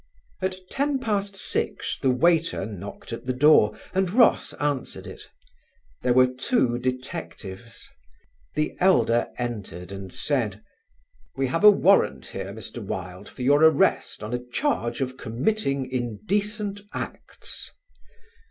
At ten past six the waiter knocked at the door and Ross answered it. There were two detectives. The elder entered and said, "We have a warrant here, Mr. Wilde, for your arrest on a charge of committing indecent acts."